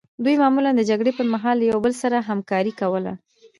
دوی معمولا د جګړې پرمهال له یو بل سره همکاري کوله